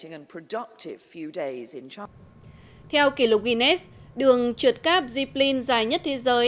guinness đường trượt cáp zipline dài nhất thế giới